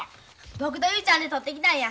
僕と雄ちゃんで取ってきたんや。